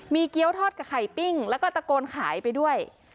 มีเกี้ยวทอดกับไข่ปิ้งแล้วก็ตะโกนขายไปด้วย